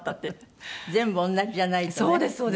全部同じじゃないとね。